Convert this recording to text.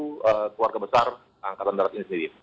keluarga besar angkatan darat ini sendiri